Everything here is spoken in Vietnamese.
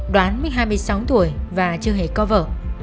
đoán mới hai mươi sáu tuổi và chưa hề có vợ